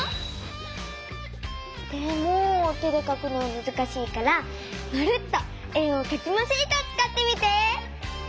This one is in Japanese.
でも手でかくのはむずしいから「まるっと円をかきまシート」をつかってみて！